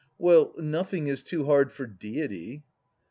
Well, nothing is too hard for Deity.